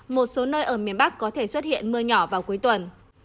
một số nơi ở miền bắc có thể xuất hiện mưa nhỏ vào cuối tuần